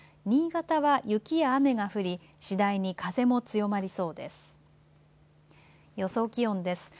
新潟は雪や雨が降り次第に風も強まりそうです。